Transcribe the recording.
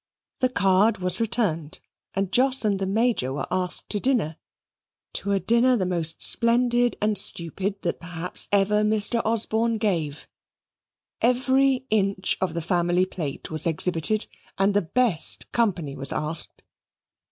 The card was returned, and Jos and the Major were asked to dinner to a dinner the most splendid and stupid that perhaps ever Mr. Osborne gave; every inch of the family plate was exhibited, and the best company was asked.